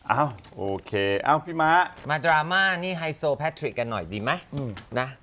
เอ้าโอเคเอาพี่ม้ามาดราม่านี่ไฮโซแพทริกกันหน่อยดีไหมนะ